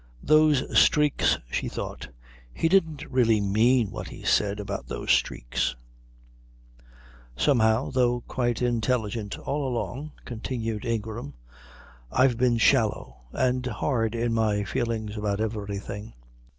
"Those streaks," she thought. "He didn't really mean what he said about those streaks " "Somehow, though quite intelligent all along," continued Ingram, "I've been shallow and hard in my feelings about everything.